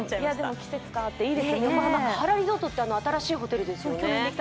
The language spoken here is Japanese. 季節変わっていいですね、横浜、カハラリゾートって新しいホテルですよね。